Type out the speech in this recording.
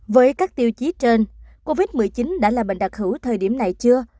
với các tiêu chí trên covid một mươi chín đã là bệnh đặc hữu thời điểm này chưa